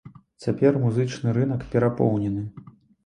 Цяпер музычны рынак перапоўнены.